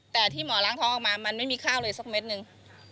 แต่ที่หมอล้างท้องออกมามันไม่มีข้าวเลยสักเม็ดหนึ่ง